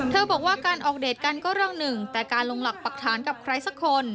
บอกว่าการออกเดทกันก็เรื่องหนึ่งแต่การลงหลักปรักฐานกับใครสักคน